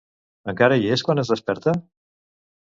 Encara hi és quan es desperta?